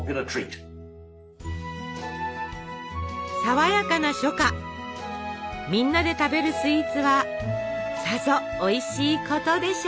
爽やかな初夏みんなで食べるスイーツはさぞおいしいことでしょう。